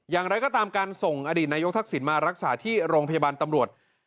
อย่างไรก็ตามการส่งอดีตนายกทักษิณมารักษาที่โรงพยาบาลตำรวจ